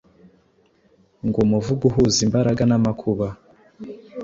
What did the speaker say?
ngo umuvugo uhuza imbaraga namakuba